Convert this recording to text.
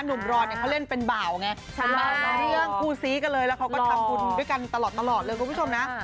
หนุ่มรอนเขาเล่นเป็นบ่าวไงคู่ซี้กันเลยแล้วเขาก็ทำบุญด้วยกันตลอดเลยครับคุณผู้ชมนะ